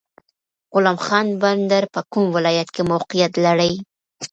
غلام خان بندر په کوم ولایت کې موقعیت لري؟